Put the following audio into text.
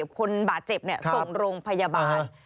คนบาดเจ็บส่งโรงพยาบาล